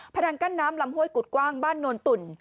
พนังกั้นน้ำลำโห้กุดกว้างบ้านนวลตุ่น